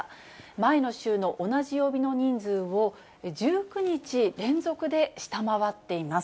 前の週の同じ曜日の人数を１９日連続で下回っています。